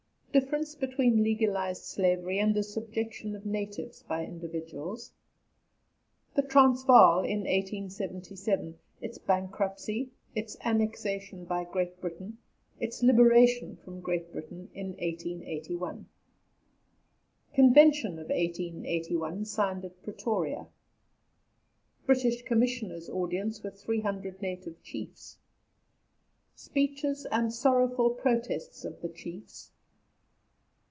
DIFFERENCE BETWEEN LEGALIZED SLAVERY AND THE SUBJECTION OF NATIVES BY INDIVIDUALS. THE TRANSVAAL IN 1877: ITS BANKRUPTCY: ITS ANNEXATION BY GREAT BRITAIN: ITS LIBERATION FROM GREAT BRITAIN IN 1881. CONVENTION OF 1881 SIGNED AT PRETORIA. BRITISH COMMISSIONERS' AUDIENCE WITH 300 NATIVE CHIEFS. SPEECHES AND SORROWFUL PROTESTS OF THE CHIEFS.